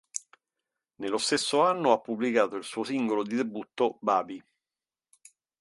Nello stesso anno ha pubblicato il suo singolo di debutto "Babi".